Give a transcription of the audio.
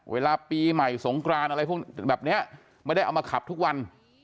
เวลาปีใหม่สงกรานอะไรพวกแบบนี้ไม่ได้เอามาขับทุกวัน